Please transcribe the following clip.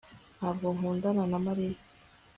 ntabwo nkundana na mariya